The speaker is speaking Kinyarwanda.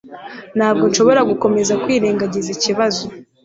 Ntabwo nshobora gukomeza kwirengagiza ikibazo.